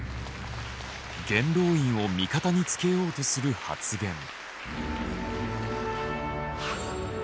元老院を味方につけようとする発言。